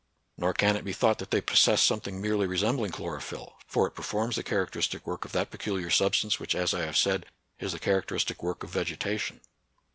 Nor can it be thought that they possess something merely resembling chlorophyll ; for it performs the characteristic work of that pe culiar substance, which, as I have said, is the characteristic work of vegetation.